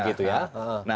nah ini ya nah